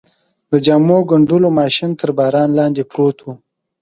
د جامو ګنډلو ماشین تر باران لاندې پروت و.